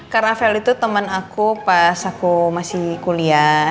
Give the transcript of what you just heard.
kak rafael itu temen aku pas aku masih kuliah